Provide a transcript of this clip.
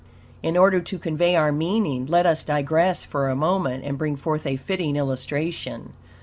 In order to convey our meaning, let us digress for a moment and bring forth a fitting illustration.